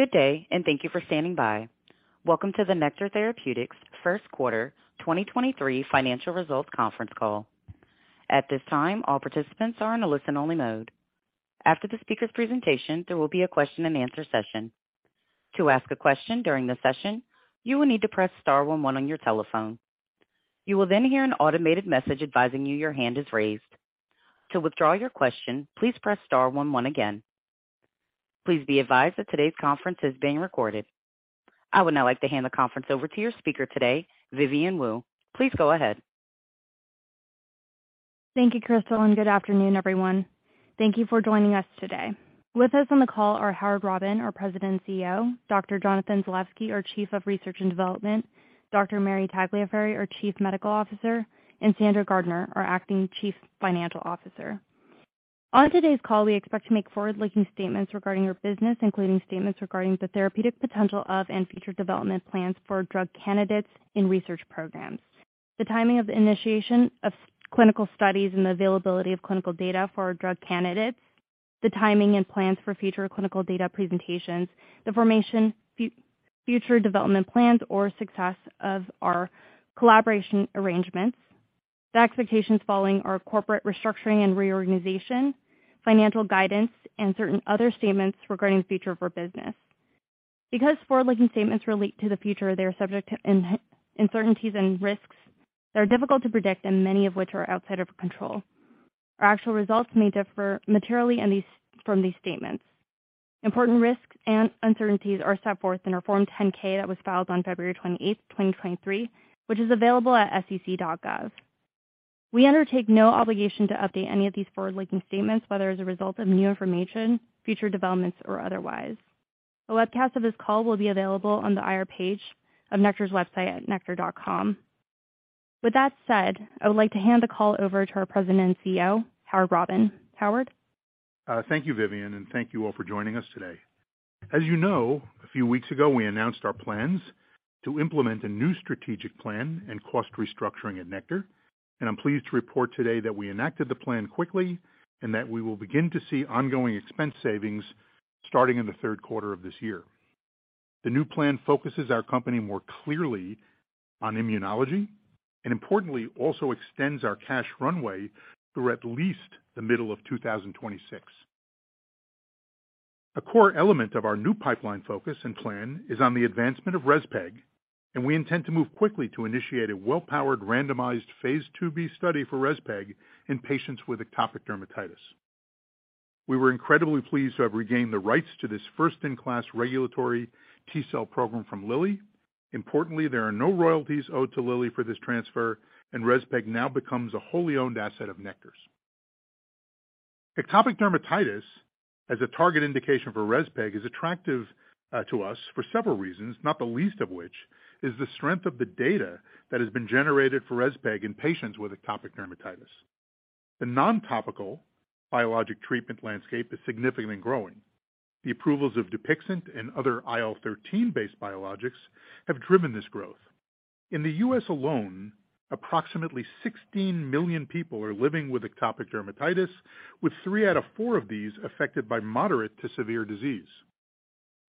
Good day, and thank you for standing by. Welcome to the Nektar Therapeutics first quarter 2023 financial results conference call. At this time, all participants are in a listen-only mode. After the speaker's presentation, there will be a question-and-answer session. To ask a question during the session, you will need to press star 11 on your telephone. You will then hear an automated message advising you your hand is raised. To withdraw your question, please press star 11 again. Please be advised that today's conference is being recorded. I would now like to hand the conference over to your speaker today, Vivian Wu. Please go ahead. Thank you, Crystal, and good afternoon, everyone. Thank you for joining us today. With us on the call are Howard Robin, our President and CEO, Dr. Jonathan Zalevsky, our Chief of Research and Development, Dr. Mary Tagliaferri, our Chief Medical Officer, and Sandra Gardiner, our Acting Chief Financial Officer. On today's call, we expect to make forward-looking statements regarding our business, including statements regarding the therapeutic potential of and future development plans for drug candidates in research programs, the timing of the initiation of clinical studies, and the availability of clinical data for our drug candidates, the timing and plans for future clinical data presentations, the formation, future development plans or success of our collaboration arrangements, the expectations following our corporate restructuring and reorganization, financial guidance, and certain other statements regarding the future of our business. Forward-looking statements relate to the future, they are subject to uncertainties and risks that are difficult to predict and many of which are outside of our control. Our actual results may differ materially from these statements. Important risks and uncertainties are set forth in our Form 10-K that was filed on February 28th, 2023, which is available at sec.gov. We undertake no obligation to update any of these forward-looking statements, whether as a result of new information, future developments, or otherwise. A webcast of this call will be available on the IR page of Nektar's website at nektar.com. With that said, I would like to hand the call over to our President and CEO, Howard Robin. Howard? Thank you, Vivian, and thank you all for joining us today. As you know, a few weeks ago, we announced our plans to implement a new strategic plan and cost restructuring at Nektar, and I'm pleased to report today that we enacted the plan quickly and that we will begin to see ongoing expense savings starting in the 3rd quarter of this year. The new plan focuses our company more clearly on immunology and importantly, also extends our cash runway through at least the middle of 2026. A core element of our new pipeline focus and plan is on the advancement of REZPEG, and we intend to move quickly to initiate a well-powered, randomized phase IIB study for REZPEG in patients with atopic dermatitis. We were incredibly pleased to have regained the rights to this first-in-class regulatory T-cell program from Lilly. Importantly, there are no royalties owed to Lilly for this transfer, REZPEG now becomes a wholly owned asset of Nektar's. Atopic dermatitis as a target indication for REZPEG is attractive to us for several reasons, not the least of which is the strength of the data that has been generated for REZPEG in patients with atopic dermatitis. The non-topical biologic treatment landscape is significantly growing. The approvals of Dupixent and other IL-13-based biologics have driven this growth. In the U.S. alone, approximately 16 million people are living with atopic dermatitis, with three out of four of these affected by moderate to severe disease.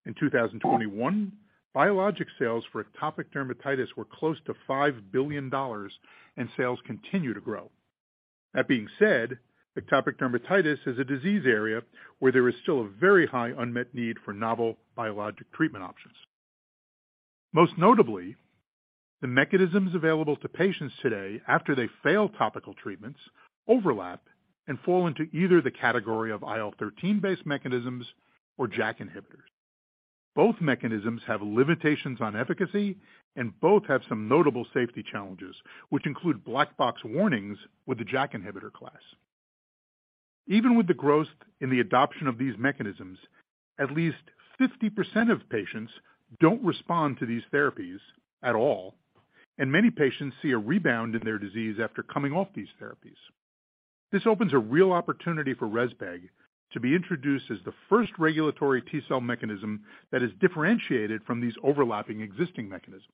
In 2021, biologic sales for atopic dermatitis were close to $5 billion, and sales continue to grow. That being said, atopic dermatitis is a disease area where there is still a very high unmet need for novel biologic treatment options. Most notably, the mechanisms available to patients today after they fail topical treatments overlap and fall into either the category of IL-13 based mechanisms or JAK inhibitors. Both mechanisms have limitations on efficacy, both have some notable safety challenges, which include black box warnings with the JAK inhibitor class. Even with the growth in the adoption of these mechanisms, at least 50% of patients don't respond to these therapies at all, and many patients see a rebound in their disease after coming off these therapies. This opens a real opportunity for REZPEG to be introduced as the first regulatory T-cell mechanism that is differentiated from these overlapping existing mechanisms.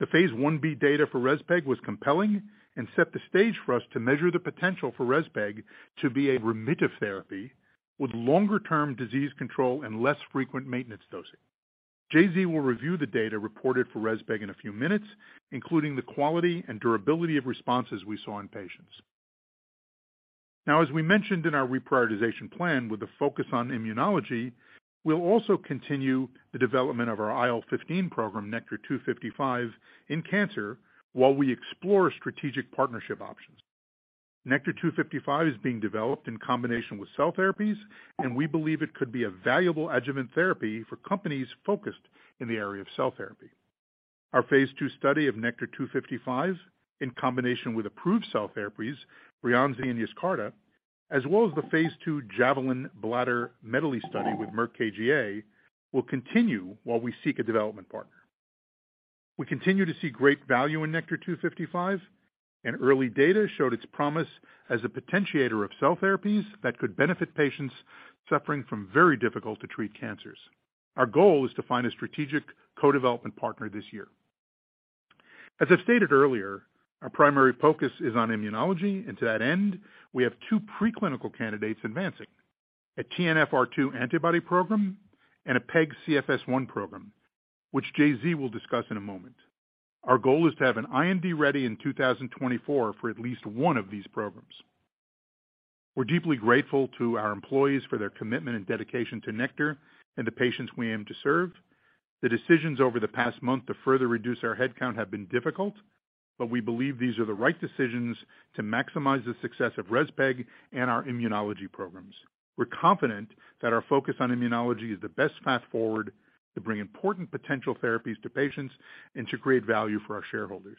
The phase IB data for REZPEG was compelling and set the stage for us to measure the potential for REZPEG to be a remitter therapy with longer-term disease control and less frequent maintenance dosing. JZ will review the data reported for REZPEG in a few minutes, including the quality and durability of responses we saw in patients. As we mentioned in our reprioritization plan with the focus on immunology, we'll also continue the development of our IL-15 program, NKTR-255, in cancer while we explore strategic partnership options. NKTR-255 is being developed in combination with cell therapies, and we believe it could be a valuable adjuvant therapy for companies focused in the area of cell therapy. Our phase II study of NKTR-255 in combination with approved cell therapies, Breyanzi and YESCARTA, as well as the phase II JAVELIN Bladder Medley study with Merck KGaA, will continue while we seek a development partner. We continue to see great value in NKTR-255, and early data showed its promise as a potentiator of cell therapies that could benefit patients suffering from very difficult-to-treat cancers. Our goal is to find a strategic co-development partner this year. As I stated earlier, our primary focus is on immunology, and to that end, we have two preclinical candidates advancing, a TNFR2 antibody program and a PEG-CSF1 program, which JZ will discuss in a moment. Our goal is to have an IND ready in 2024 for at least one of these programs. We're deeply grateful to our employees for their commitment and dedication to Nektar and the patients we aim to serve. The decisions over the past month to further reduce our headcount have been difficult, but we believe these are the right decisions to maximize the success of REZPEG and our immunology programs. We're confident that our focus on immunology is the best path forward to bring important potential therapies to patients and to create value for our shareholders.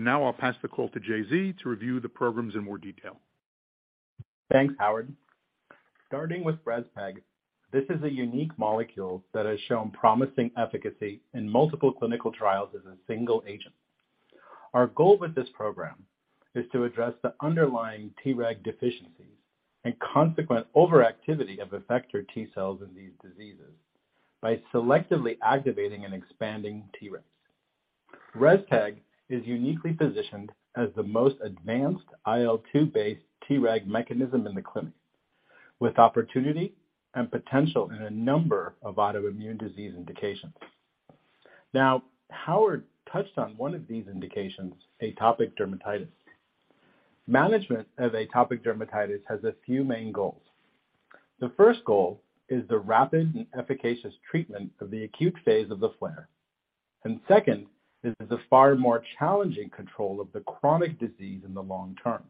Now I'll pass the call to J.Z. to review the programs in more detail. Thanks, Howard. Starting with REZPEG, this is a unique molecule that has shown promising efficacy in multiple clinical trials as a single agent. Our goal with this program is to address the underlying Treg deficiencies and consequent overactivity of effector T cells in these diseases by selectively activating and expanding Tregs. REZPEG is uniquely positioned as the most advanced IL-2-based Treg mechanism in the clinic, with opportunity and potential in a number of autoimmune disease indications. Howard touched on one of these indications, atopic dermatitis. Management of atopic dermatitis has a few main goals. The first goal is the rapid and efficacious treatment of the acute phase of the flare. Second is the far more challenging control of the chronic disease in the long term.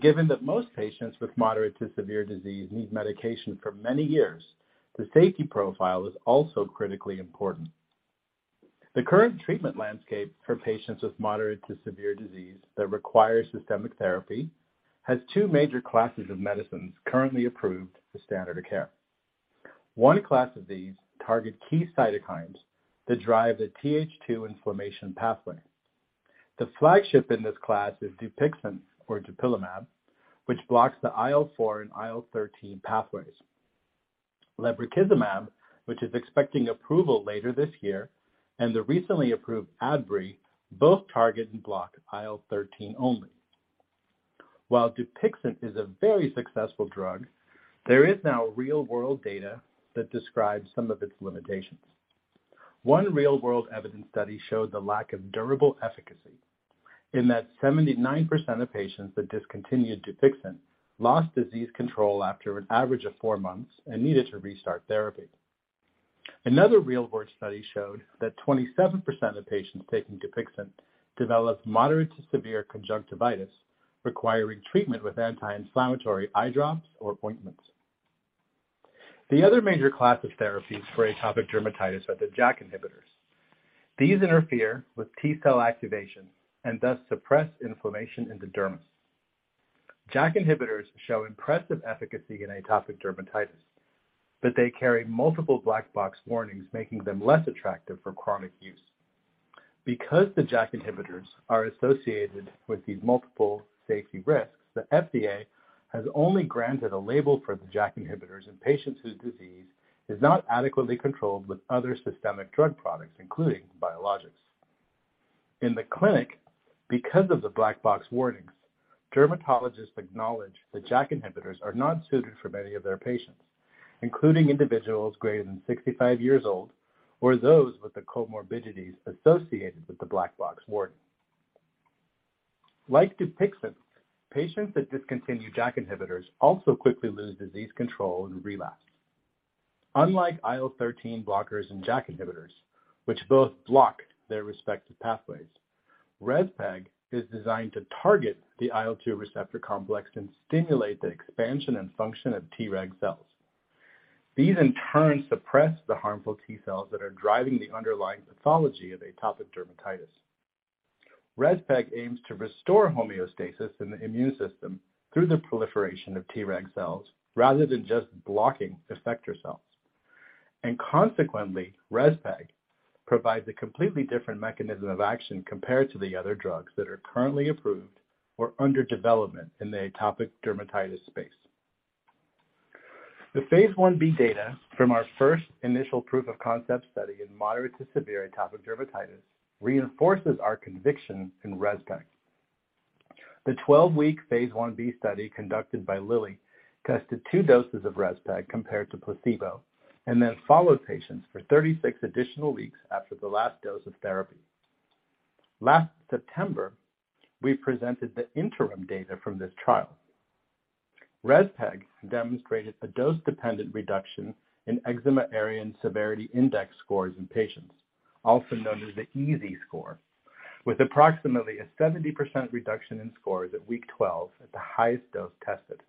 Given that most patients with moderate to severe disease need medication for many years, the safety profile is also critically important. The current treatment landscape for patients with moderate to severe disease that require systemic therapy has two major classes of medicines currently approved for standard of care. One class of these target key cytokines that drive the TH2 inflammation pathway. The flagship in this class is Dupixent or dupilumab, which blocks the IL-4 and IL-13 pathways. Lebrikizumab, which is expecting approval later this year, and the recently approved Adbry, both target and block IL-13 only. While Dupixent is a very successful drug, there is now real-world data that describes some of its limitations. 1 real-world evidence study showed the lack of durable efficacy in that 79% of patients that discontinued Dupixent lost disease control after an average of 4 months and needed to restart therapy. Another real-world study showed that 27% of patients taking Dupixent developed moderate to severe conjunctivitis, requiring treatment with anti-inflammatory eye drops or ointments. The other major class of therapies for atopic dermatitis are the JAK inhibitors. These interfere with T cell activation and thus suppress inflammation in the dermis. JAK inhibitors show impressive efficacy in atopic dermatitis, but they carry multiple black box warnings, making them less attractive for chronic use. Because the JAK inhibitors are associated with these multiple safety risks, the FDA has only granted a label for the JAK inhibitors in patients whose disease is not adequately controlled with other systemic drug products, including biologics. In the clinic, because of the black box warnings, dermatologists acknowledge that JAK inhibitors are not suited for many of their patients, including individuals greater than 65 years old or those with the comorbidities associated with the black box warning. Like Dupixent, patients that discontinue JAK inhibitors also quickly lose disease control and relapse. Unlike IL-13 blockers and JAK inhibitors, which both block their respective pathways, REZPEG is designed to target the IL-2 receptor complex and stimulate the expansion and function of Treg cells. These in turn suppress the harmful T cells that are driving the underlying pathology of atopic dermatitis. REZPEG aims to restore homeostasis in the immune system through the proliferation of Treg cells rather than just blocking effector cells. Consequently, REZPEG provides a completely different mechanism of action compared to the other drugs that are currently approved or under development in the atopic dermatitis space. The phase Ib data from our first initial proof of concept study in moderate to severe atopic dermatitis reinforces our conviction in REZPEG. The 12-week phase Ib study conducted by Lilly tested two doses of REZPEG compared to placebo, and then followed patients for 36 additional weeks after the last dose of therapy. Last September, we presented the interim data from this trial. REZPEG demonstrated a dose-dependent reduction in Eczema Area and Severity Index scores in patients, also known as the EASI score, with approximately a 70% reduction in scores at week 12 at the highest dose tested.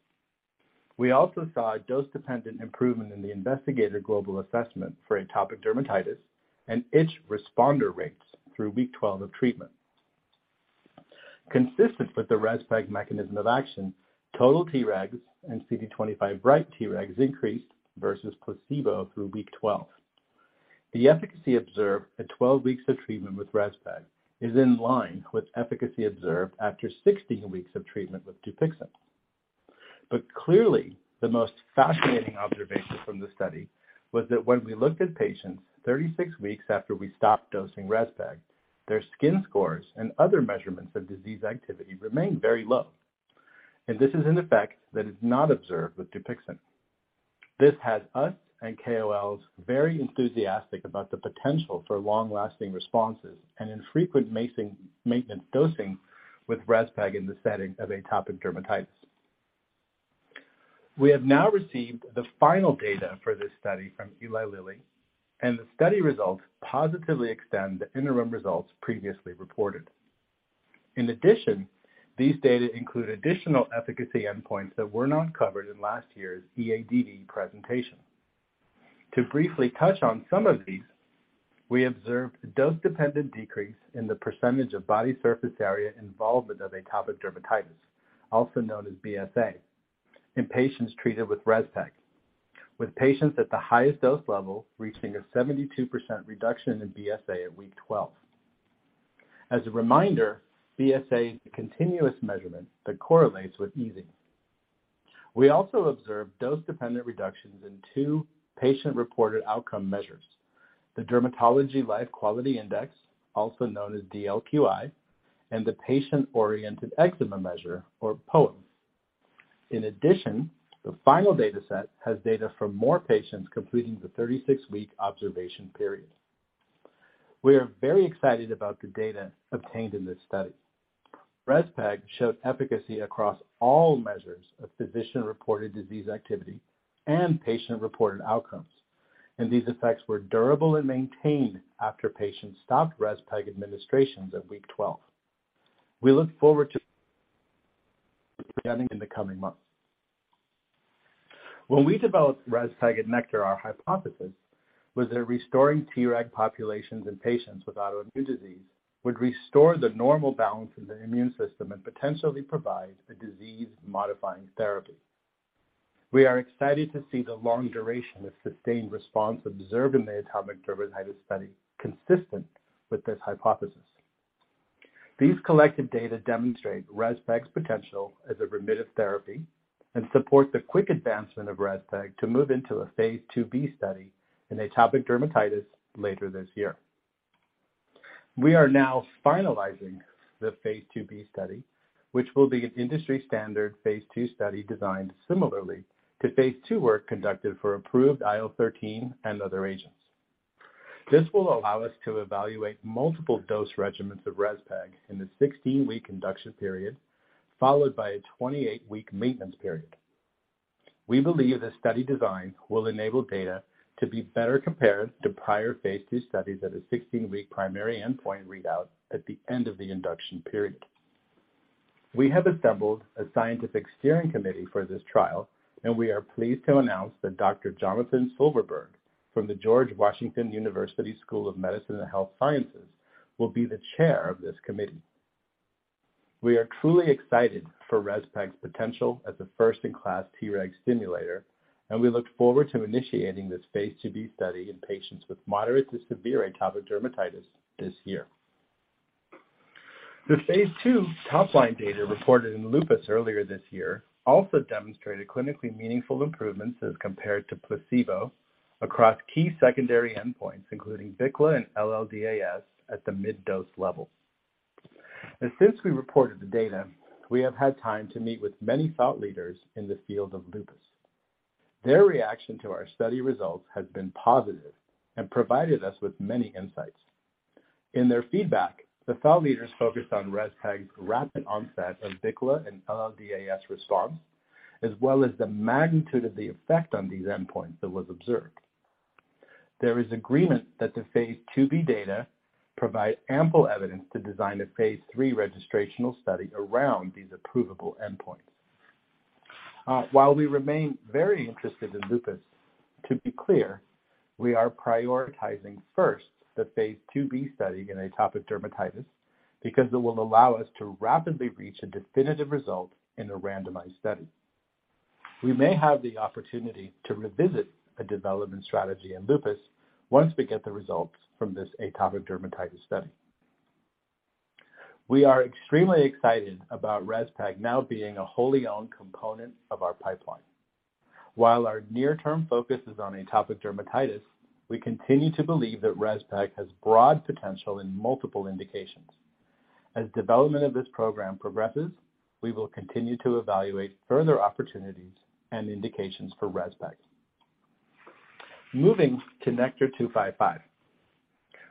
We also saw a dose-dependent improvement in the Investigator Global Assessment for Atopic Dermatitis and itch responder rates through week 12 of treatment. Consistent with the REZPEG mechanism of action, total Tregs and CD25 bright Tregs increased versus placebo through week 12. The efficacy observed at 12 weeks of treatment with REZPEG is in line with efficacy observed after 16 weeks of treatment with Dupixent. Clearly, the most fascinating observation from the study was that when we looked at patients 36 weeks after we stopped dosing REZPEG, their skin scores and other measurements of disease activity remained very low. This is an effect that is not observed with Dupixent. This has us and KOLs very enthusiastic about the potential for long-lasting responses and infrequent maintenance dosing with REZPEG in the setting of atopic dermatitis. We have now received the final data for this study from Eli Lilly, and the study results positively extend the interim results previously reported. In addition, these data include additional efficacy endpoints that were not covered in last year's EADV presentation. To briefly touch on some of these, we observed a dose-dependent decrease in the percentage of body surface area involvement of atopic dermatitis, also known as BSA, in patients treated with REZPEG, with patients at the highest dose level reaching a 72% reduction in BSA at week 12. As a reminder, BSA is a continuous measurement that correlates with EASI. We also observed dose-dependent reductions in two patient-reported outcome measures: the Dermatology Life Quality Index, also known as DLQI, and the Patient-Oriented Eczema Measure, or POEM. In addition, the final data set has data from more patients completing the 36-week observation period. We are very excited about the data obtained in this study. REZPEG showed efficacy across all measures of physician-reported disease activity and patient-reported outcomes, and these effects were durable and maintained after patients stopped REZPEG administrations at week 12. We look forward to beginning in the coming months. When we developed REZPEG at Nektar, our hypothesis was that restoring Treg populations in patients with autoimmune disease would restore the normal balance of the immune system and potentially provide a disease-modifying therapy. We are excited to see the long duration of sustained response observed in the atopic dermatitis study consistent with this hypothesis. These collected data demonstrate REZPEG's potential as a remittive therapy and support the quick advancement of REZPEG to move into a phase IIB study in atopic dermatitis later this year. We are now finalizing the phase IIB study, which will be an industry standard phase II study designed similarly to phase II work conducted for approved IL-13 and other agents. This will allow us to evaluate multiple dose regimens of REZPEG in the 16-week induction period, followed by a 28-week maintenance period. We believe this study design will enable data to be better compared to prior phase II studies at a 16-week primary endpoint readout at the end of the induction period. We have assembled a scientific steering committee for this trial. We are pleased to announce that Dr. Jonathan Silverberg from the George Washington University School of Medicine and Health Sciences will be the chair of this committee. We are truly excited for REZPEG's potential as a first-in-class Treg stimulator, and we look forward to initiating this phase IIB study in patients with moderate to severe atopic dermatitis this year. The phase II top-line data reported in lupus earlier this year also demonstrated clinically meaningful improvements as compared to placebo across key secondary endpoints, including BICLA and LLDAS at the mid-dose level. Since we reported the data, we have had time to meet with many thought leaders in the field of lupus. Their reaction to our study results has been positive and provided us with many insights. In their feedback, the thought leaders focused on REZPEG's rapid onset of BICLA and LLDAS response, as well as the magnitude of the effect on these endpoints that was observed. There is agreement that the phase IIB data provide ample evidence to design a phase III registrational study around these approvable endpoints. While we remain very interested in lupus, to be clear, we are prioritizing first the phase IIB study in atopic dermatitis because it will allow us to rapidly reach a definitive result in a randomized study. We may have the opportunity to revisit a development strategy in lupus once we get the results from this atopic dermatitis study. We are extremely excited about REZPEG now being a wholly owned component of our pipeline. While our near-term focus is on atopic dermatitis, we continue to believe that REZPEG has broad potential in multiple indications. As development of this program progresses, we will continue to evaluate further opportunities and indications for REZPEG. Moving to NKTR-255.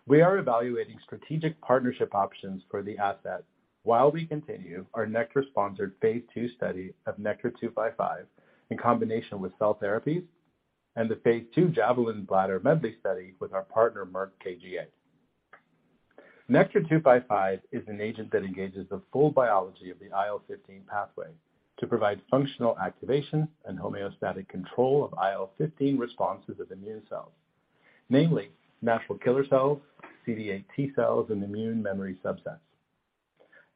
We are evaluating strategic partnership options for the asset while we continue our Nektar-sponsored phase II study of NKTR-255 in combination with cell therapies and the phase II JAVELIN Bladder Medley study with our partner Merck KGaA. NKTR-255 is an agent that engages the full biology of the IL-15 pathway to provide functional activation and homeostatic control of IL-15 responses of immune cells, namely natural killer cells, CD8 T cells, and immune memory subsets.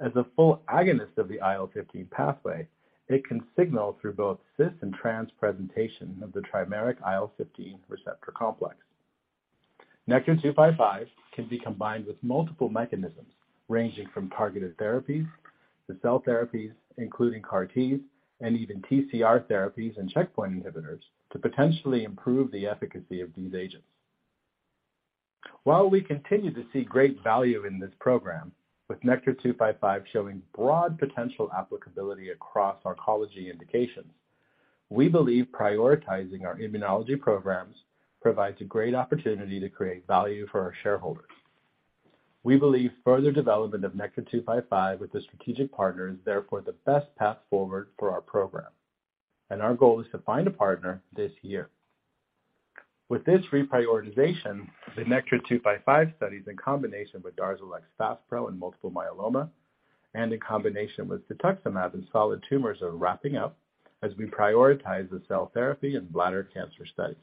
As a full agonist of the IL-15 pathway, it can signal through both cis and trans presentation of the trimeric IL-15 receptor complex. NKTR-255 can be combined with multiple mechanisms ranging from targeted therapies to cell therapies, including CAR-Ts and even TCR therapies and checkpoint inhibitors to potentially improve the efficacy of these agents. While we continue to see great value in this program, with NKTR-255 showing broad potential applicability across oncology indications, we believe prioritizing our immunology programs provides a great opportunity to create value for our shareholders. We believe further development of NKTR-255 with a strategic partner is therefore the best path forward for our program, and our goal is to find a partner this year. With this reprioritization, the NKTR-255 studies in combination with DARZALEX FASPRO and multiple myeloma and in combination with cetuximab in solid tumors are wrapping up as we prioritize the cell therapy and bladder cancer studies.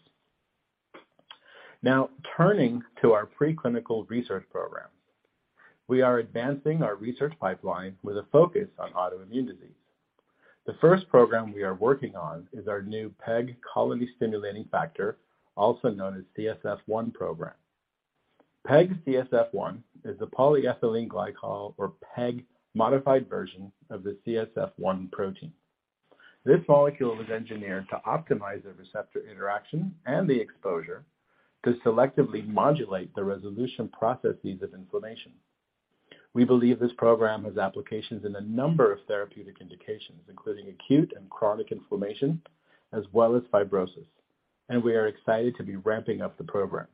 Turning to our preclinical research program. We are advancing our research pipeline with a focus on autoimmune disease. The first program we are working on is our new PEG-CSF1, also known as CSF1 program. PEG-CSF1 is a polyethylene glycol, or PEG modified version of the CSF1 protein. This molecule was engineered to optimize the receptor interaction and the exposure to selectively modulate the resolution processes of inflammation. We believe this program has applications in a number of therapeutic indications, including acute and chronic inflammation as well as fibrosis. We are excited to be ramping up the program.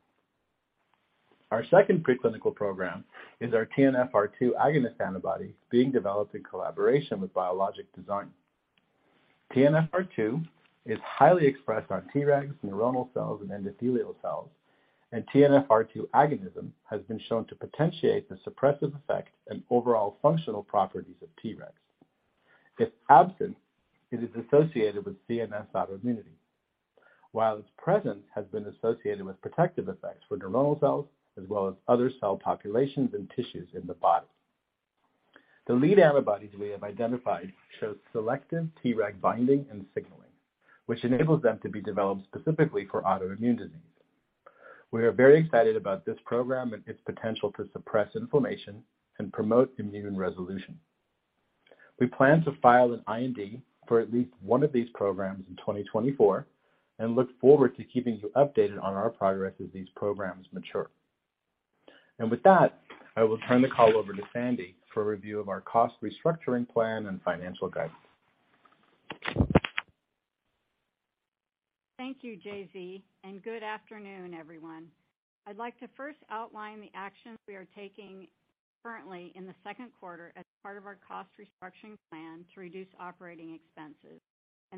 Our second preclinical program is our TNFR2 agonist antibody being developed in collaboration with BioLojic Design. TNFR2 is highly expressed on Tregs, neuronal cells, and endothelial cells. TNFR2 agonism has been shown to potentiate the suppressive effect and overall functional properties of Tregs. Its absence is associated with CNS autoimmunity, its presence has been associated with protective effects for neuronal cells as well as other cell populations and tissues in the body. The lead antibodies we have identified show selective Treg binding and signaling, which enables them to be developed specifically for autoimmune disease. We are very excited about this program and its potential to suppress inflammation and promote immune resolution. We plan to file an IND for at least one of these programs in 2024 and look forward to keeping you updated on our progress as these programs mature. With that, I will turn the call over to Sandy for a review of our cost restructuring plan and financial guidance. Thank you, JZ. Good afternoon, everyone. I'd like to first outline the actions we are taking currently in the second quarter as part of our cost restructuring plan to reduce operating expenses.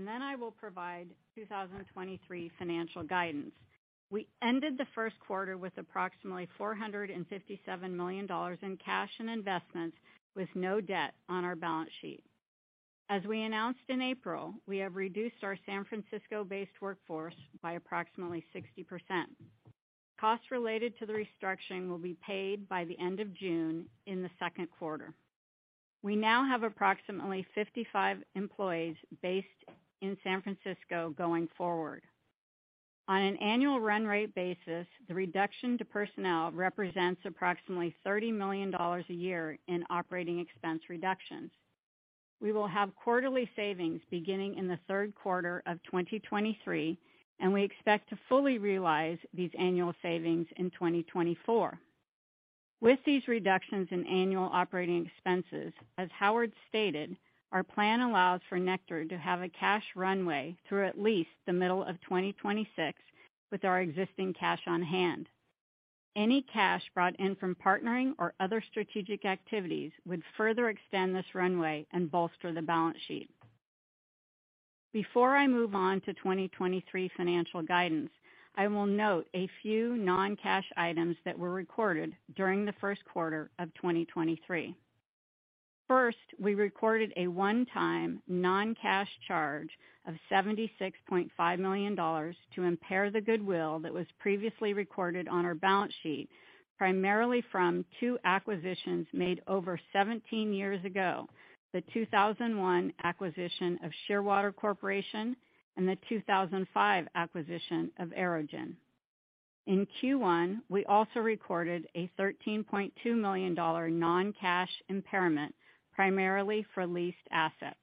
I will provide 2023 financial guidance. We ended the first quarter with approximately $457 million in cash and investments with no debt on our balance sheet. As we announced in April, we have reduced our San Francisco-based workforce by approximately 60%. Costs related to the restructuring will be paid by the end of June in the second quarter. We now have approximately 55 employees based in San Francisco going forward. On an annual run rate basis, the reduction to personnel represents approximately $30 million a year in operating expense reductions. We will have quarterly savings beginning in the 3rd quarter of 2023, and we expect to fully realize these annual savings in 2024. With these reductions in annual operating expenses, as Howard stated, our plan allows for Nektar to have a cash runway through at least the middle of 2026 with our existing cash on hand. Any cash brought in from partnering or other strategic activities would further extend this runway and bolster the balance sheet. Before I move on to 2023 financial guidance, I will note a few non-cash items that were recorded during the 1st quarter of 2023. First, we recorded a one-time non-cash charge of $76.5 million to impair the goodwill that was previously recorded on our balance sheet, primarily from two acquisitions made over 17 years ago, the 2001 acquisition of Shearwater Corporation and the 2005 acquisition of Aerogen. In Q1, we also recorded a $13.2 million non-cash impairment, primarily for leased assets.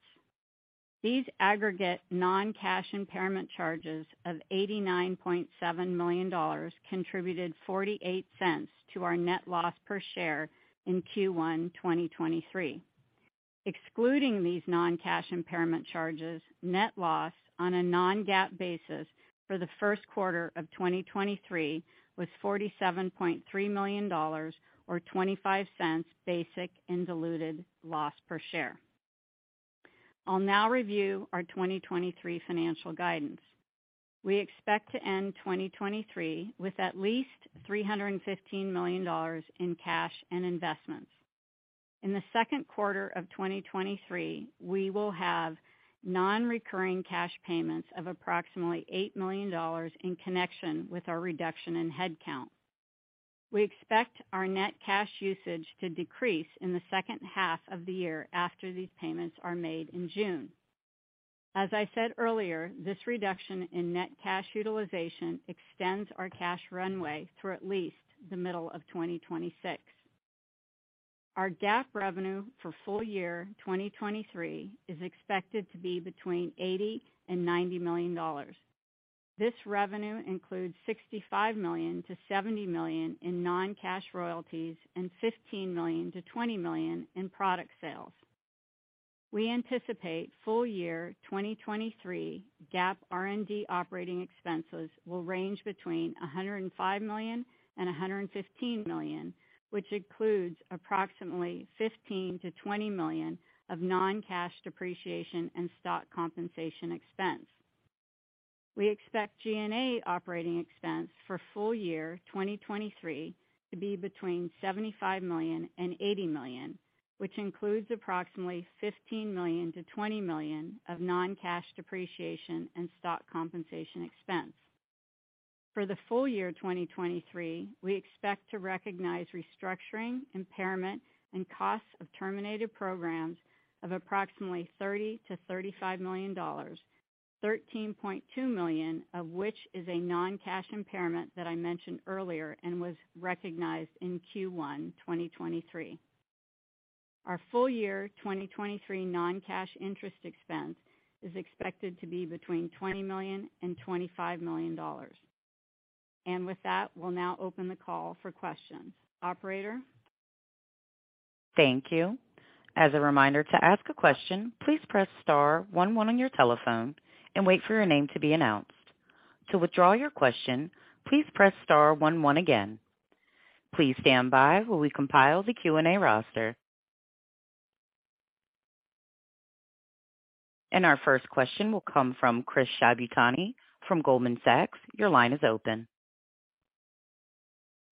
These aggregate non-cash impairment charges of $89.7 million contributed $0.48 to our net loss per share in Q1 2023. Excluding these non-cash impairment charges, net loss on a non-GAAP basis for the first quarter of 2023 was $47.3 million or $0.25 basic and diluted loss per share. I'll now review our 2023 financial guidance. We expect to end 2023 with at least $315 million in cash and investments. In the second quarter of 2023, we will have non-recurring cash payments of approximately $8 million in connection with our reduction in headcount. We expect our net cash usage to decrease in the second half of the year after these payments are made in June. As I said earlier, this reduction in net cash utilization extends our cash runway through at least the middle of 2026. Our GAAP revenue for full year 2023 is expected to be between $80 million and $90 million. This revenue includes $65 million-$70 million in non-cash royalties and $15 million-$20 million in product sales. We anticipate full year 2023 GAAP R&D operating expenses will range between $105 million and $115 million, which includes approximately $15 million-$20 million of non-cash depreciation and stock compensation expense. We expect G&A operating expense for full year 2023 to be between $75 million and $80 million, which includes approximately $15 million-$20 million of non-cash depreciation and stock compensation expense. For the full year 2023, we expect to recognize restructuring, impairment, and costs of terminated programs of approximately $30 million-$35 million, $13.2 million of which is a non-cash impairment that I mentioned earlier and was recognized in Q1 2023. Our full year 2023 non-cash interest expense is expected to be between $20 million and $25 million. With that, we'll now open the call for questions. Operator? Thank you. As a reminder, to ask a question, please press star one one on your telephone and wait for your name to be announced. To withdraw your question, please press star one one again. Please stand by while we compile the Q&A roster. Our first question will come from Chris Shibutani from Goldman Sachs. Your line is open.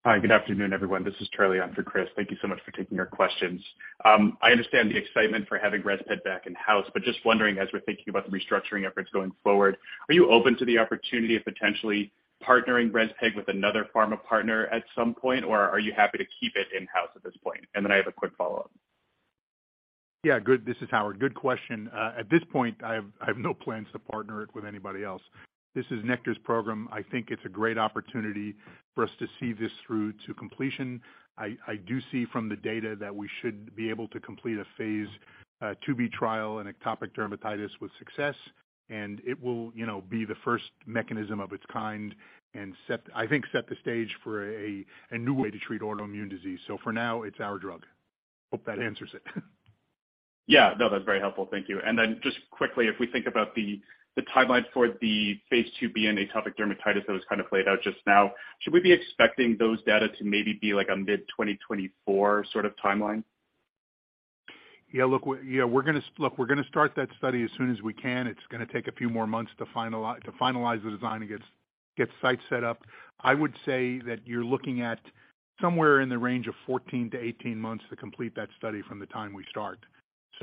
Hi, good afternoon, everyone. This is Charlie on for Chris. Thank you so much for taking our questions. I understand the excitement for having REZPEG back in-house, but just wondering, as we're thinking about the restructuring efforts going forward, are you open to the opportunity of potentially partnering REZPEG with another pharma partner at some point, or are you happy to keep it in-house at this point? I have a quick follow-up. Yeah. Good. This is Howard. Good question. At this point, I have no plans to partner it with anybody else. This is Nektar's program. I think it's a great opportunity for us to see this through to completion. I do see from the data that we should be able to complete a phase IIB trial in atopic dermatitis with success, and it will, you know, be the first mechanism of its kind and set, I think, set the stage for a new way to treat autoimmune disease. For now, it's our drug. Hope that answers it. Yeah. No, that's very helpful. Thank you. Just quickly, if we think about the timeline for the phase IIb in atopic dermatitis that was kind of played out just now, should we be expecting those data to maybe be like a mid-2024 sort of timeline? Yeah, look, we're gonna start that study as soon as we can. It's gonna take a few more months to finalize the design and get sites set up. I would say that you're looking at somewhere in the range of 14 to 18 months to complete that study from the time we start.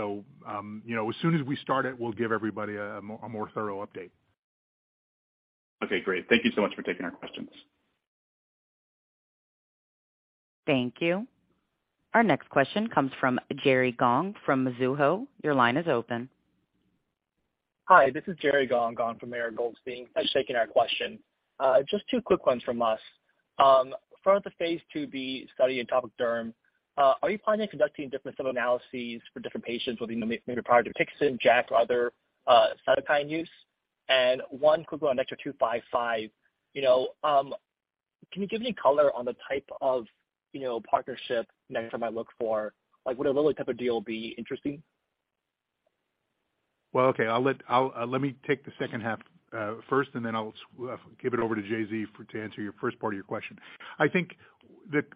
You know, as soon as we start it, we'll give everybody a more thorough update. Okay, great. Thank you so much for taking our questions. Thank you. Our next question comes from Jerry Gong from Mizuho. Your line is open. Hi, this is Jerry Gong on for Mara Goldstein. Thanks for taking our question. Just two quick ones from us. For the phase IIb study in atopic derm, are you planning on conducting different sub-analyses for different patients with maybe prior to Dupixent, JAK, or other cytokine use? One quick one on NKTR-255. You know, can you give me color on the type of, you know, partnership Nektar might look for? Like, would a Lilly type of deal be interesting? Well, okay. I'll let me take the second half first, and then I'll give it over to JZ for to answer your first part of your question. I think that.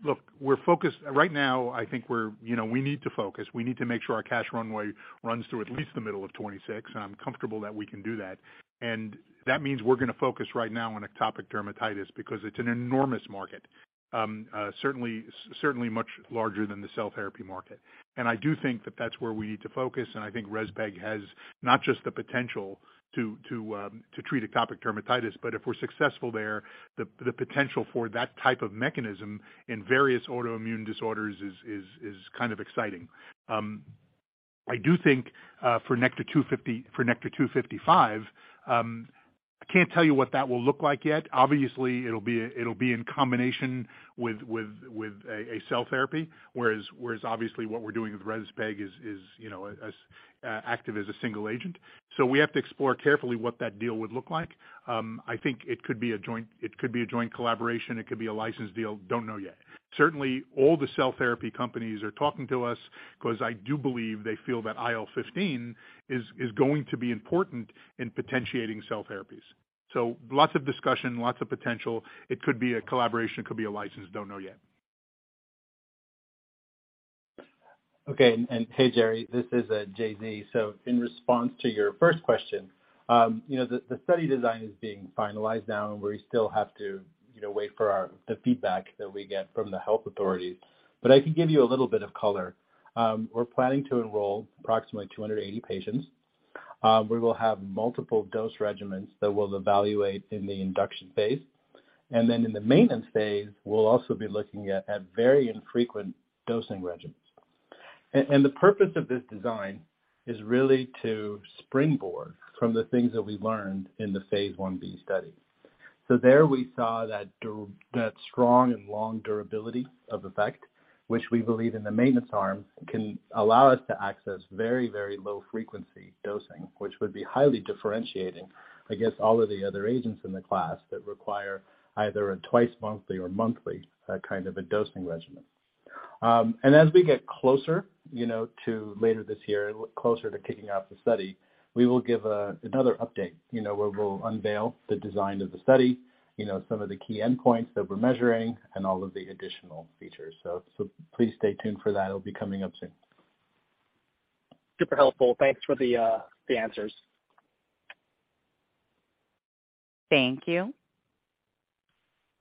Look, we're focused. Right now I think we're, you know, we need to focus. We need to make sure our cash runway runs through at least the middle of 2026, and I'm comfortable that we can do that. That means we're gonna focus right now on atopic dermatitis because it's an enormous market. certainly much larger than the cell therapy market. I do think that that's where we need to focus, and I think REZPEG has not just the potential to treat atopic dermatitis, but if we're successful there, the potential for that type of mechanism in various autoimmune disorders is kind of exciting. I do think for NKTR-255, I can't tell you what that will look like yet. Obviously it'll be, it'll be in combination with a cell therapy, whereas obviously what we're doing with REZPEG is, you know, as active as a single agent. We have to explore carefully what that deal would look like. I think it could be a joint collaboration, it could be a license deal. Don't know yet. Certainly all the cell therapy companies are talking to us 'cause I do believe they feel that IL-15 is going to be important in potentiating cell therapies. Lots of discussion, lots of potential. It could be a collaboration, it could be a license. Don't know yet. Okay. Hey, Jerry, this is JZ. In response to your first question, you know, the study design is being finalized now, and we still have to, you know, wait for the feedback that we get from the health authorities. I can give you a little bit of color. We're planning to enroll approximately 280 patients. We will have multiple dose regimens that we'll evaluate in the induction phase. In the maintenance phase, we'll also be looking at very infrequent dosing regimens. The purpose of this design is really to springboard from the things that we learned in the phase IB study. There we saw that strong and long durability of effect, which we believe in the maintenance arm can allow us to access very, very low frequency dosing, which would be highly differentiating against all of the other agents in the class that require either a twice monthly or monthly kind of a dosing regimen. As we get closer, you know, to later this year, closer to kicking off the study, we will give another update, you know, where we'll unveil the design of the study, you know, some of the key endpoints that we're measuring and all of the additional features. Please stay tuned for that. It'll be coming up soon. Super helpful. Thanks for the answers. Thank you.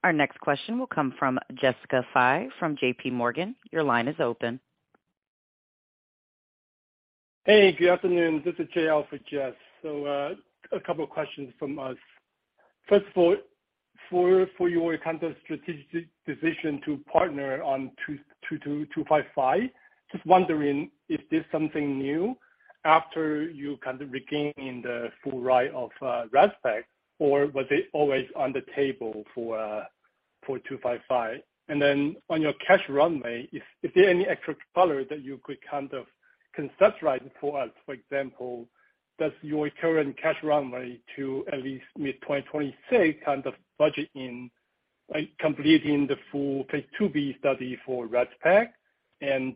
Our next question will come from Jessica Fye from JPMorgan. Your line is open. Hey, good afternoon. This is J.L. for Jess. A couple of questions from us. First of all, for your kind of strategic decision to partner on 255, just wondering if this is something new after you kind of regained the full right of REZPEG, or was it always on the table for 255? On your cash runway, is there any extra color that you could kind of construct for us? For example, does your current cash runway to at least mid 2026 kind of budget in, like, completing the full phase IIB study for REZPEG?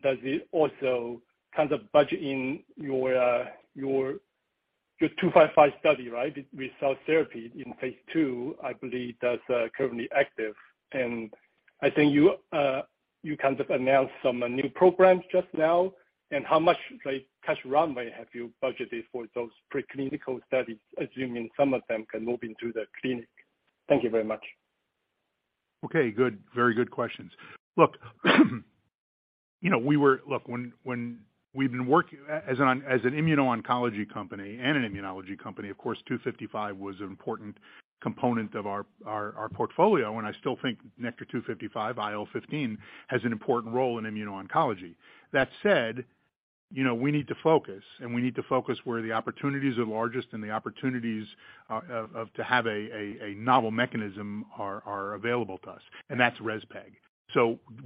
Does it also kind of budget in your 255 study, right, with cell therapy in phase II? I believe that's currently active. I think you kind of announced some new programs just now. How much, like, cash runway have you budgeted for those pre-clinical studies, assuming some of them can move into the clinic? Thank you very much. Okay, good. Very good questions. Look, you know, we've been working as an immuno-oncology company and an immunology company, of course, 255 was an important component of our portfolio. I still think Nektar 255 IL-15 has an important role in immuno-oncology. That said, you know, we need to focus, and we need to focus where the opportunities are largest and the opportunities to have a novel mechanism are available to us, and that's REZPEG.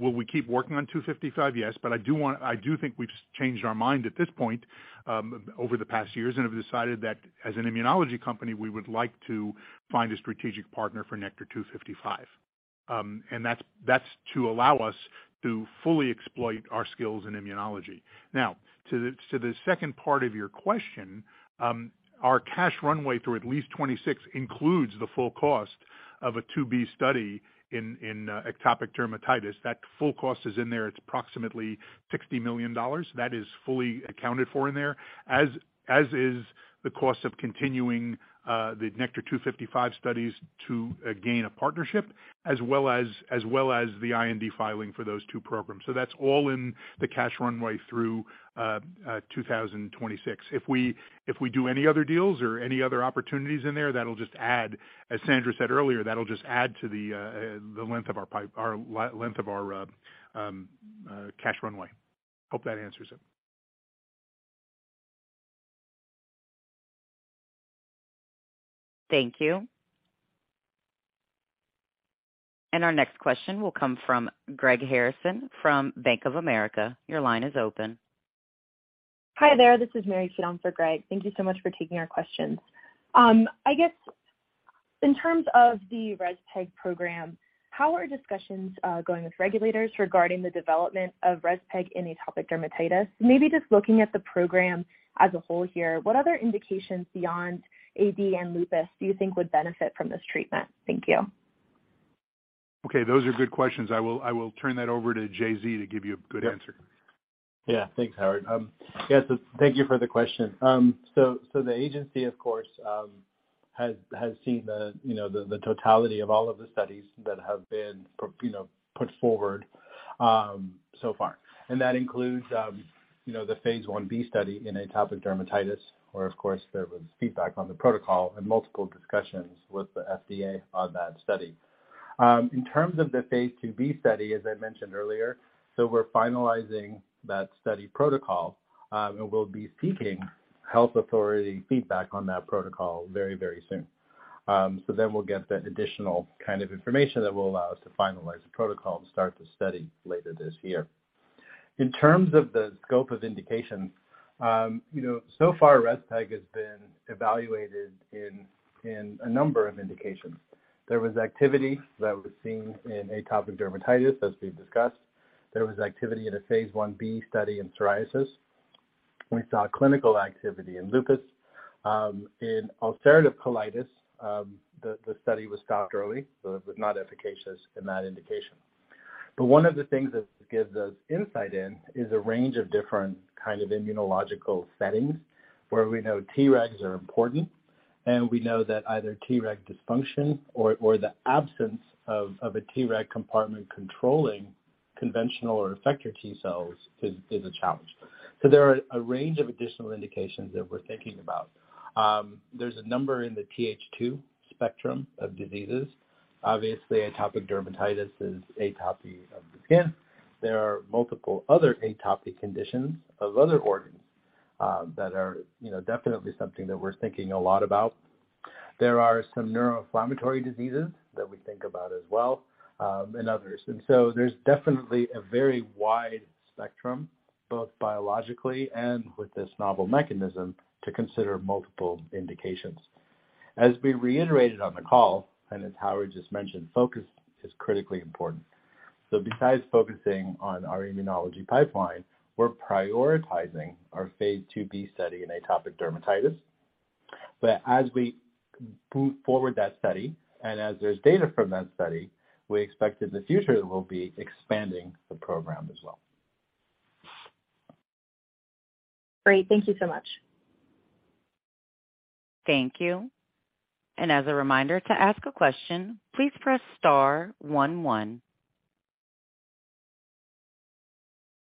Will we keep working on 255? Yes. I do think we've changed our mind at this point over the past years and have decided that as an immunology company, we would like to find a strategic partner for Nektar 255. That's to allow us to fully exploit our skills in immunology. Now, to the second part of your question, our cash runway through at least 2026 includes the full cost of a 2b study in atopic dermatitis. That full cost is in there. It's approximately $60 million. That is fully accounted for in there, as is the cost of continuing the NKTR-255 studies to gain a partnership, as well as the IND filing for those two programs. That's all in the cash runway through 2026. If we do any other deals or any other opportunities in there, that'll just add, as Sandra said earlier, to the length of our cash runway. Hope that answers it. Thank you. Our next question will come from Greg Harrison from Bank of America. Your line is open. Hi there. This is Mary Keown for Greg. Thank you so much for taking our questions. I guess in terms of the REZPEG program, how are discussions going with regulators regarding the development of REZPEG in atopic dermatitis? Maybe just looking at the program as a whole here, what other indications beyond AB and lupus do you think would benefit from this treatment? Thank you. Okay. Those are good questions. I will turn that over to J.Z. to give you a good answer. Yeah. Thanks, Howard. Yes, thank you for the question. The agency, of course, has seen the, you know, the totality of all of the studies that have been put forward so far. That includes, you know, the phase IB study in atopic dermatitis, where of course, there was feedback on the protocol and multiple discussions with the FDA on that study. In terms of the phase IIB study, as I mentioned earlier, we're finalizing that study protocol, and we'll be seeking health authority feedback on that protocol very soon. We'll get the additional kind of information that will allow us to finalize the protocol and start the study later this year. In terms of the scope of indications, you know, so far REZPEG has been evaluated in a number of indications. There was activity that was seen in atopic dermatitis, as we've discussed. There was activity in a phase IB study in psoriasis. We saw clinical activity in lupus. In ulcerative colitis, the study was stopped early, it was not efficacious in that indication. One of the things that this gives us insight in is a range of different kind of immunological settings where we know T-regs are important and we know that either T-reg dysfunction or the absence of a T-reg compartment controlling conventional or effector T-cells is a challenge. There are a range of additional indications that we're thinking about. There's a number in the TH2 spectrum of diseases. Obviously, atopic dermatitis is atopy of the skin. There are multiple other atopic conditions of other organs, you know, definitely something that we're thinking a lot about. There are some neuroinflammatory diseases that we think about as well, and others. There's definitely a very wide spectrum, both biologically and with this novel mechanism, to consider multiple indications. As we reiterated on the call, and as Howard just mentioned, focus is critically important. Besides focusing on our immunology pipeline, we're prioritizing our phase IIB study in atopic dermatitis. As we move forward that study, and as there's data from that study, we expect in the future that we'll be expanding the program as well. Great. Thank you so much. Thank you. As a reminder, to ask a question, please press star 1.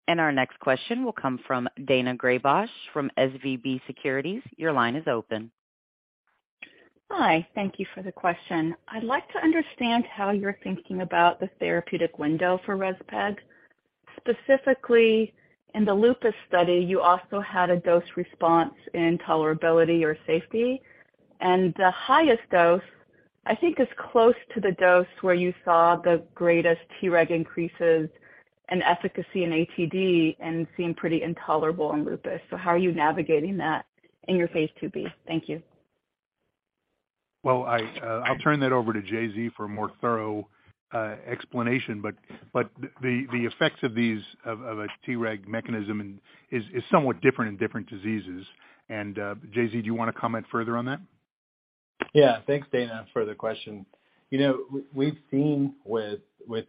Our next question will come from Daina Graybosch from SVB Securities. Your line is open. Hi. Thank you for the question. I'd like to understand how you're thinking about the therapeutic window for REZPEG. Specifically, in the lupus study, you also had a dose response in tolerability or safety, and the highest dose, I think, is close to the dose where you saw the greatest Treg increases and efficacy in ATD and seemed pretty intolerable in lupus. How are you navigating that in your phase IIB? Thank you. Well, I'll turn that over to JZ for a more thorough explanation, but the effects of these, of a Treg mechanism and is somewhat different in different diseases. JZ, do you wanna comment further on that? Yeah. Thanks, Daina, for the question. You know, we've seen with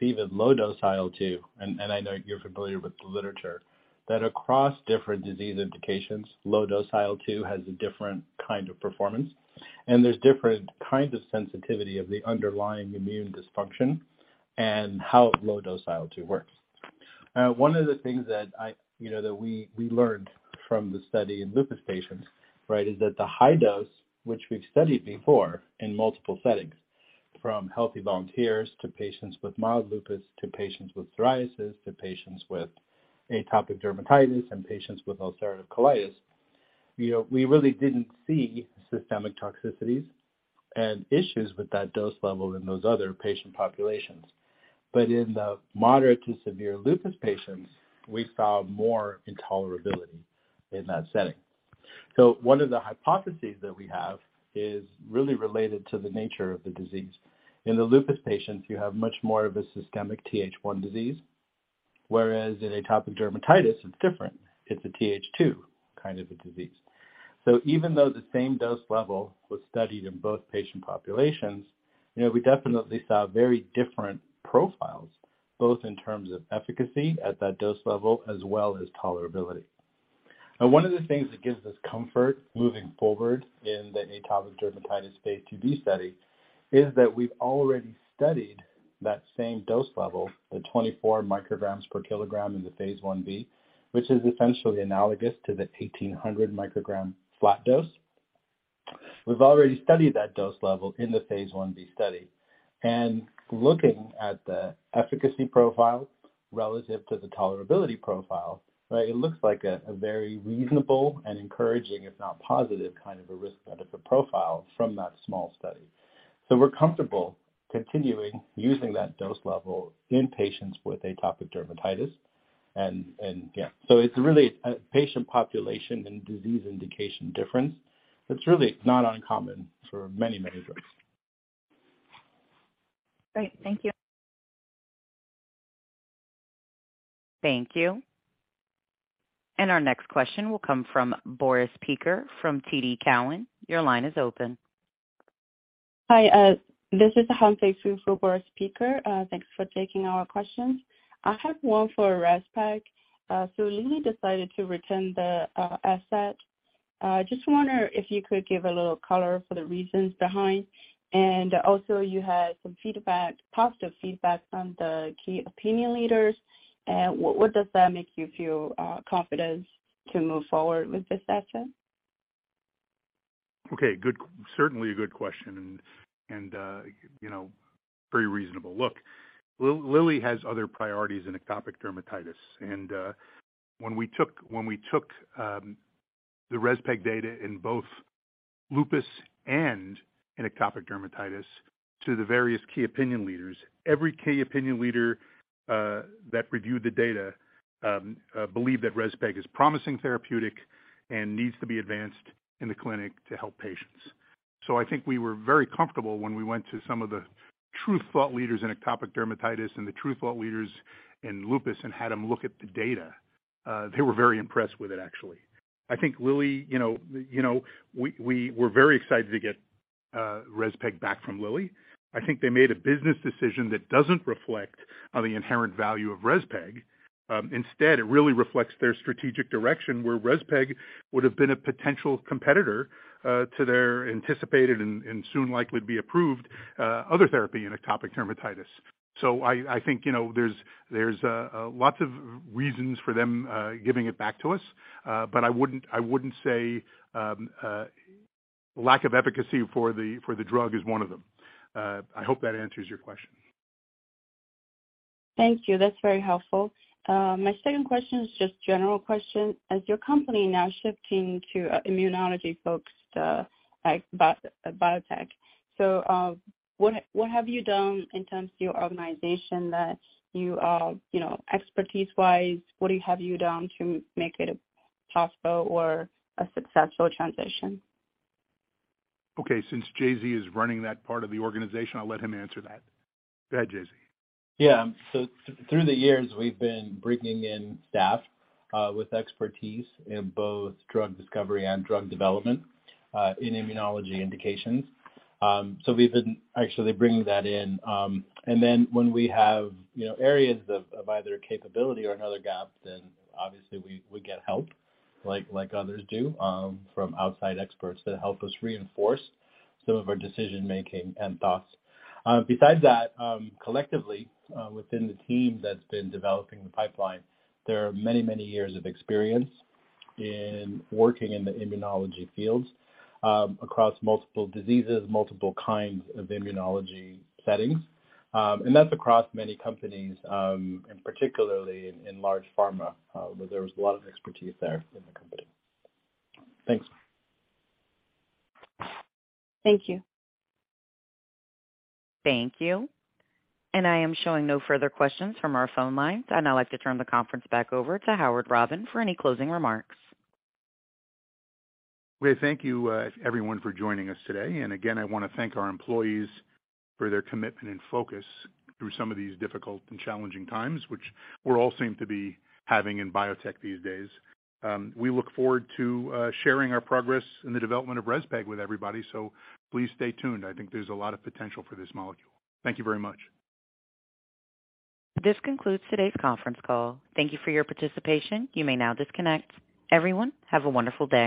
even low-dose IL-2, and I know you're familiar with the literature, that across different disease indications, low-dose IL-2 has a different kind of performance, there's different kinds of sensitivity of the underlying immune dysfunction and how low-dose IL-2 works. One of the things that I, you know, that we learned from the study in lupus patients, right, is that the high dose, which we've studied before in multiple settings, from healthy volunteers to patients with mild lupus to patients with psoriasis to patients with atopic dermatitis and patients with ulcerative colitis, you know, we really didn't see systemic toxicities and issues with that dose level in those other patient populations. In the moderate to severe lupus patients, we saw more intolerability in that setting. One of the hypotheses that we have is really related to the nature of the disease. In the lupus patients, you have much more of a systemic TH1 disease, whereas in atopic dermatitis it's different. It's a TH2 kind of a disease. Even though the same dose level was studied in both patient populations, you know, we definitely saw very different profiles, both in terms of efficacy at that dose level as well as tolerability. One of the things that gives us comfort moving forward in the atopic dermatitis phase IIB study is that we've already studied that same dose level, the 24 micrograms per kilogram in the phase IB, which is essentially analogous to the 1,800 microgram flat dose. We've already studied that dose level in the phase IB study. Looking at the efficacy profile relative to the tolerability profile, right, it looks like a very reasonable and encouraging, if not positive, kind of a risk-benefit profile from that small study. We're comfortable continuing using that dose level in patients with atopic dermatitis. Yeah. It's really a patient population and disease indication difference. It's really not uncommon for many drugs. Great. Thank you. Thank you. Our next question will come from Boris Peaker from TD Cowen. Your line is open. Hi. This is Han Fei Fu for Boris Peaker. Thanks for taking our questions. I have one for REZPEG. Lilly decided to return the asset. Just wonder if you could give a little color for the reasons behind. Also you had some feedback, positive feedback from the key opinion leaders. What does that make you feel, confidence to move forward with this asset? Okay. Good. Certainly a good question, you know, pretty reasonable. Look, Lilly has other priorities in atopic dermatitis. When we took the REZPEG data in both lupus and in atopic dermatitis to the various key opinion leaders, every key opinion leader that reviewed the data believed that REZPEG is promising therapeutic and needs to be advanced in the clinic to help patients. I think we were very comfortable when we went to some of the true thought leaders in atopic dermatitis and the true thought leaders in lupus and had them look at the data. They were very impressed with it, actually. I think Lilly, we were very excited to get REZPEG back from Lilly. I think they made a business decision that doesn't reflect on the inherent value of REZPEG. Instead, it really reflects their strategic direction, where REZPEG would have been a potential competitor, to their anticipated and soon likely to be approved, other therapy in atopic dermatitis. I think, you know, there's lots of reasons for them giving it back to us. But I wouldn't say Lack of efficacy for the drug is one of them. I hope that answers your question. Thank you. That's very helpful. My second question is just general question. As your company now shifting to immunology-focused, like, bio-biotech. What have you done in terms of your organization that you are, you know, expertise-wise, what have you done to make it a possible or a successful transition? Okay, since JZ is running that part of the organization, I'll let him answer that. Go ahead, JZ. Yeah. Through the years, we've been bringing in staff, with expertise in both drug discovery and drug development, in immunology indications. We've been actually bringing that in. When we have, you know, areas of either capability or another gap, then obviously we get help like others do, from outside experts that help us reinforce some of our decision-making and thoughts. Besides that, collectively, within the team that's been developing the pipeline, there are many, many years of experience in working in the immunology fields, across multiple diseases, multiple kinds of immunology settings. That's across many companies, and particularly in large pharma, where there was a lot of expertise there in the company. Thanks. Thank you. Thank you. I am showing no further questions from our phone lines. I'd now like to turn the conference back over to Howard Robin for any closing remarks. We thank you, everyone for joining us today. Again, I wanna thank our employees for their commitment and focus through some of these difficult and challenging times, which we all seem to be having in biotech these days. We look forward to sharing our progress in the development of REZPEG with everybody, please stay tuned. I think there's a lot of potential for this molecule. Thank you very much. This concludes today's conference call. Thank you for your participation. You may now disconnect. Everyone, have a wonderful day.